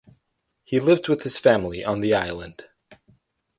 He lived with his family on the Island.